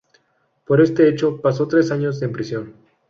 Por este hecho pasó tres años en prisión.